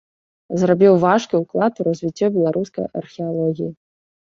Зрабіў важкі ўклад у развіццё беларускай археалогіі.